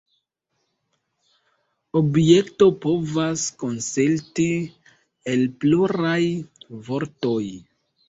Objekto povas konsisti el pluraj vortoj.